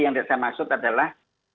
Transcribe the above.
yang saya maksud adalah